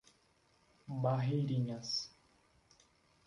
Barreirinhas